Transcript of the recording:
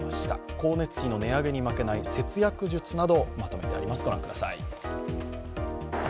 光熱費の値上げに負けない節約術などをまとめてあります。